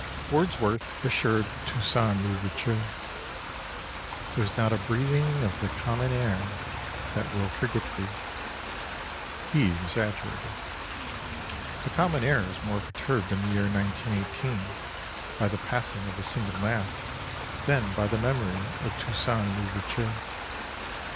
Wordsworth assured Toussaint L'Ouverture: There's not a breathing of the common air That will forget thee. He exaggerated. The common air is more perturbed in the year 1918 by the passing of a single gnat than by the memory of Toussaint L'Ouverture.